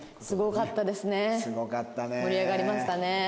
すごかったですね。